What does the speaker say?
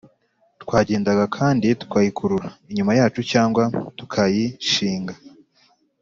Twagenda kandi tukayikurura inyuma yacu cyangwa tukayishinga;